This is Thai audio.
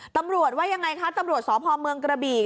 ตำรวจว่ายังไงคะตำรวจสพเมืองกระบี่